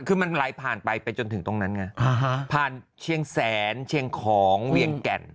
คือมันไหลผ่านไปไปจนถึงตรงนั้นไงผ่านเชียงแสนเชียงของเวียงแก่น